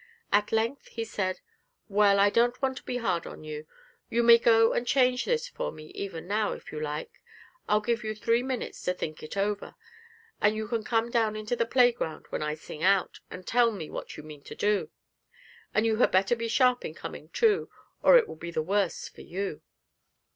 At length he said, 'Well, I don't want to be hard on you. You may go and change this for me even now, if you like. I'll give you three minutes to think it over, and you can come down into the playground when I sing out, and tell me what you mean to do. And you had better be sharp in coming, too, or it will be the worse for you.'